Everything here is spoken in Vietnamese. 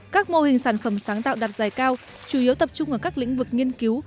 các mô hình sản phẩm sáng tạo đạt giải cao chủ yếu tập trung ở các lĩnh vực nghiên cứu